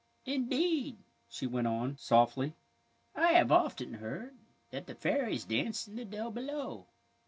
" Indeed," she went on, softly, " I have often heard that the fairies dance in the dell below.